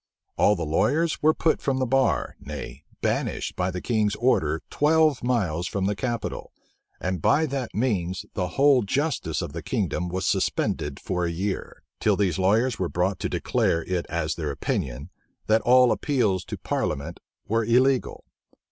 All the lawyers were put from the bar, nay, banished by the King's order twelve miles from the capital, and by that means the whole justice of the kingdom was suspended for a year; till these lawyers were brought to declare it as their opinion, that all appeals to parliament were illegal.